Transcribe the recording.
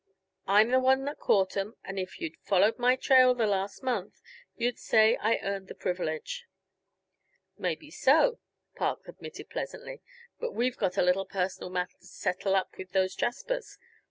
I'm the one that caught 'em, and if you'd followed my trail the last month you'd say I earned the privilege." "Maybe so," Park admitted pleasantly, "but we've got a little personal matter to settle up with those jaspers.